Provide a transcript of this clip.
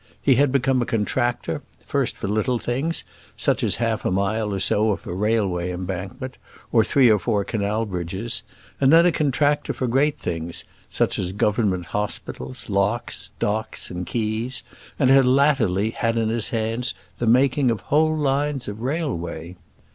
He had become a contractor, first for little things, such as half a mile or so of a railway embankment, or three or four canal bridges, and then a contractor for great things, such as Government hospitals, locks, docks, and quays, and had latterly had in his hands the making of whole lines of railway.